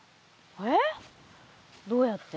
えっどうやって？